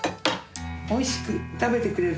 おいしく食べてくれる。